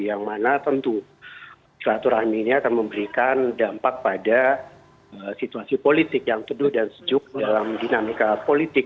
yang mana tentu silaturahmi ini akan memberikan dampak pada situasi politik yang teduh dan sejuk dalam dinamika politik